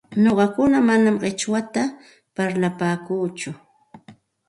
Nuqaku manam qichwata parlapaakuuchu,